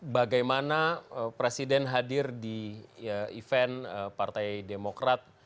bagaimana presiden hadir di event partai demokrat